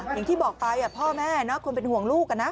อย่างที่บอกไปพ่อแม่คนเป็นห่วงลูกนะ